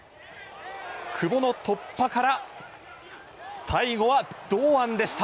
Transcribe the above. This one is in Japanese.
久保の突破から最後は堂安でした。